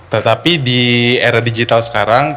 tetapi di era digital sekarang